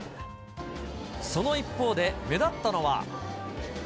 その一方で、目立ったのは。